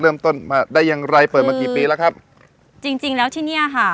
เริ่มต้นไปได้อย่างไร